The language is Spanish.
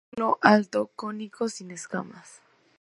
Receptáculo alto, cónico, sin escamas.